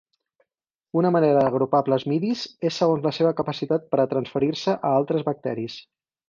Una manera d'agrupar plasmidis és segons la seva capacitat per transferir-se a altres bacteris.